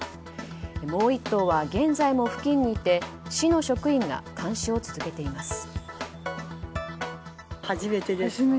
もう１頭は現在も付近にいて市の職員が監視を続けています。